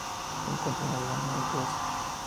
Se encuentra en Albania y Croacia.